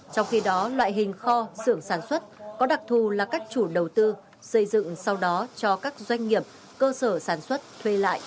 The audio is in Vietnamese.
trong khi đó loại hình kho xưởng sản xuất có đặc thù là các chủ đầu tư xây dựng sau đó cho các doanh nghiệp cơ sở sản xuất thuê lại